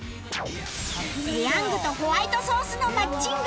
ペヤングとホワイトソースのマッチング